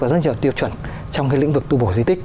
và rất nhiều tiêu chuẩn trong lĩnh vực tu bổ di tích